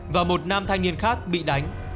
và một nam thanh niên khác bị đánh